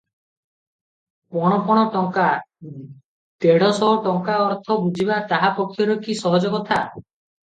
ପଣ ପଣ ଟଙ୍କା, ଦେଢ଼ଶହ ଟଙ୍କାର ଅର୍ଥ ବୁଝିବା ତାହା ପକ୍ଷରେ କି ସହଜ କଥା?